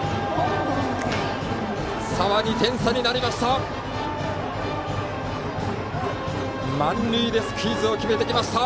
差は２点差になりました。